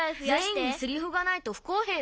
「ぜんいんにセリフがないとふこうへいだ」。